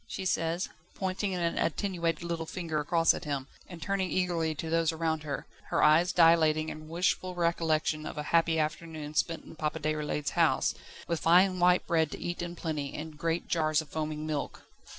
she says, pointing an attenuated little finger across at him, and turning eagerly to those around her, her eyes dilating in wishful recollection of a happy afternoon spent in Papa Déroulède's house, with fine white bread to eat in plenty, and great jars of foaming milk.